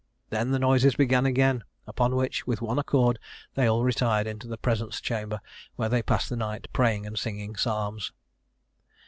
Then the noises began again; upon which, with one accord, they all retired into the presence chamber, where they passed the night, praying and singing psalms.